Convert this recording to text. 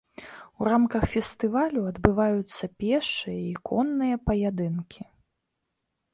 У рамках фестывалю адбываюцца пешыя і конныя паядынкі.